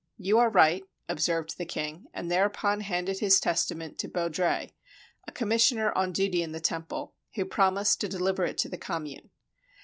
"You are right," observed the king, and thereupon handed his testament to Baudrais, a commissioner on duty in the Temple, who promised to deliver it to the Commune.